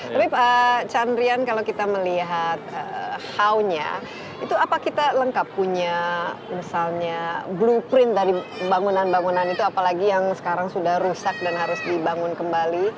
tapi pak chandrian kalau kita melihat how nya itu apa kita lengkap punya misalnya blueprint dari bangunan bangunan itu apalagi yang sekarang sudah rusak dan harus dibangun kembali